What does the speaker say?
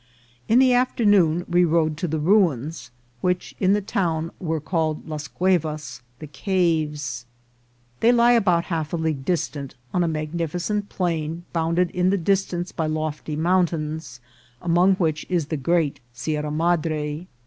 In the afternoon we rode to the ruins, which in the town were called las cuevas, the caves. They He about half a league distant, on a magnificent plain, bounded in the distance by lofty mountains, among which is the great Sierra Madre.